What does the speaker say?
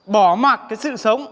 bỏ mặc cái sự sống